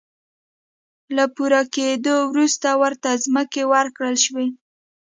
له پوره کېدو وروسته ورته ځمکې ورکړل شوې.